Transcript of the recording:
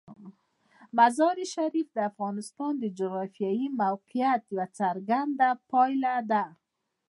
مزارشریف د افغانستان د جغرافیایي موقیعت یوه څرګنده پایله ده.